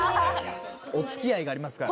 お付き合いがありますからね。